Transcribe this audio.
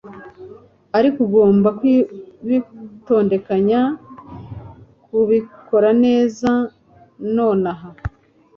ariko ugomba kubitondekanya, kubikora neza nonaha